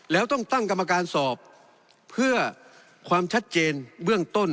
แล้วต้องตั้งกรรมการสอบเพื่อความชัดเจนเบื้องต้น